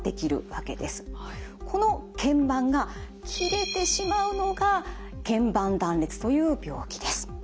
このけん板が切れてしまうのがけん板断裂という病気です。